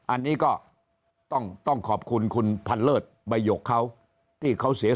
อันนี้ก็ต้องขอบคุณคุณพันเลิศใบหยกเขาที่เขาเสีย